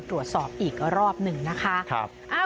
ตรวจสอบอีกรอบหนึ่งนะคะ